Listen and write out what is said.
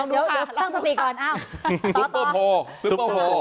ยังไงต้องดูค่ะต้องสติก่อน